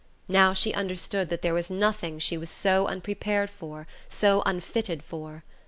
Now she understood that there was nothing she was so unprepared for, so unfitted for.